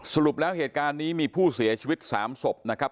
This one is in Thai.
สรุปแล้วเหตุการณ์นี้มีผู้เสียชีวิต๓ศพนะครับ